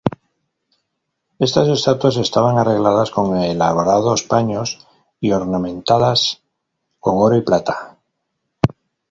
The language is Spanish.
Estas estatuas estaban arregladas con elaborados paños y ornamentadas con oro y plata.